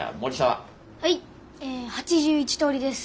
はい８１通りです。